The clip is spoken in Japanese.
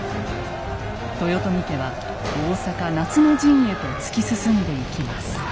豊臣家は大坂夏の陣へと突き進んでいきます。